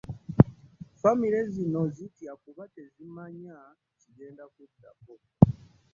Ffamire zino zitya kuba tezimanya kigenda kuddako